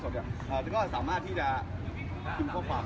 ผมต้องก่อสามารถที่จะชิมความ